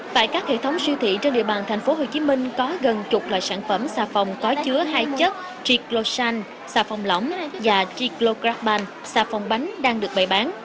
tại các hệ thống siêu thị trên địa bàn tp hcm có gần chục loại sản phẩm xà phòng có chứa hai chất richroson xà phòng lỏng và tiklograban xà phòng bánh đang được bày bán